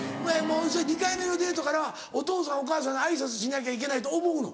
２回目のデートからお父さんお母さんに挨拶しなきゃいけないと思うの？